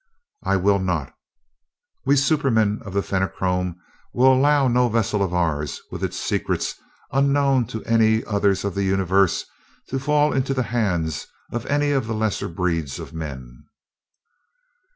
"I will not. We supermen of the Fenachrone will allow no vessel of ours, with its secrets unknown to any others of the Universe, to fall into the hands of any of the lesser breeds of men."